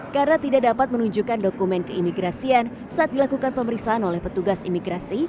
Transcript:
karena tidak dapat menunjukkan dokumen keimigrasian saat dilakukan pemeriksaan oleh petugas imigrasi